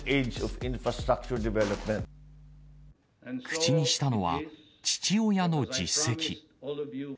口にしたのは、父親の実績。